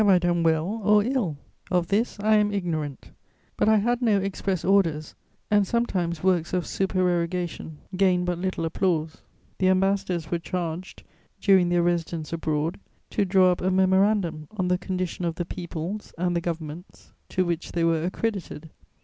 Have I done well or ill? Of this I am ignorant; but I had no express orders, and sometimes works of supererogation gain but little applause." The ambassadors were charged, during their residence abroad, to draw up a memorandum on the condition of the peoples and the governments to which they were accredited.